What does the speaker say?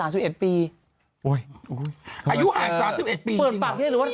อายุห่าง๓๑ปีจริงหรือ